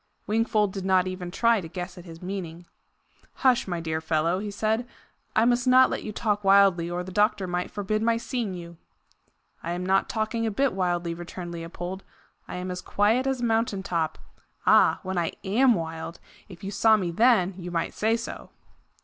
Wingfold did not even try to guess at his meaning. "Hush, my dear fellow!" he said; "I must not let you talk wildly, or the doctor might forbid my seeing you." "I am not talking a bit wildly," returned Leopold. "I am as quiet as a mountain top. Ah! when I AM wild if you saw me then, you might say so!"